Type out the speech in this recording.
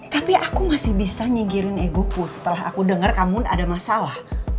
tapi aku masih bisa nyigirin egoku setelah aku dengar kamu ada masalah